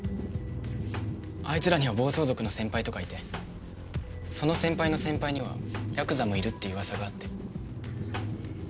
あいつらには暴走族の先輩とかいてその先輩の先輩にはヤクザもいるっていう噂があって。